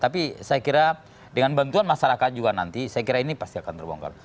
tapi saya kira dengan bantuan masyarakat juga nanti saya kira ini pasti akan terbongkar